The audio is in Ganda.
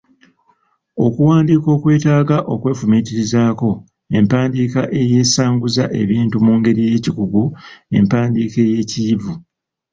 Okuwandiika okwetaaga okwefumiitirizaako, empandiika eyasanguza ebintu mu ngeri y’ekikugu, empandiika y’ekiyivu.